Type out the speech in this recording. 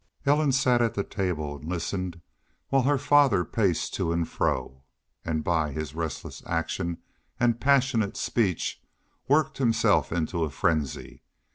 Ellen sat at the table and listened while her father paced to and fro and, by his restless action and passionate speech, worked himself into a frenzy.